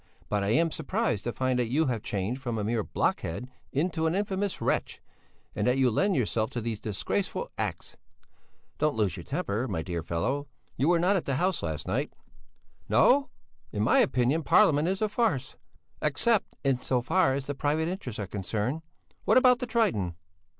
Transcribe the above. But I am surprised to find that you have changed from a mere blockhead into an infamous wretch, and that you lend yourself to these disgraceful acts." "Don't lose your temper, my dear fellow! You were not at the House last night?" "No! In my opinion Parliament is a farce, except in so far as private interests are concerned. What about the 'Triton'?"